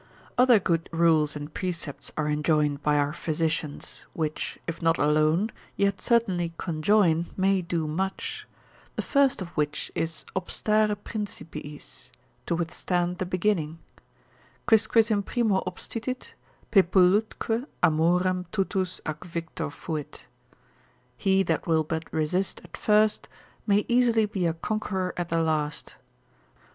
Other good rules and precepts are enjoined by our physicians, which, if not alone, yet certainly conjoined, may do much; the first of which is obstare principiis, to withstand the beginning, Quisquis in primo obstitit, Pepulitque amorem tutus ac victor fuit, he that will but resist at first, may easily be a conqueror at the last.